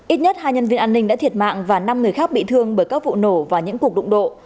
ít nhất hai nhân viên an ninh đã thiệt mạng và năm người khác bị thương bởi các vụ nổ và những cuộc đụng độ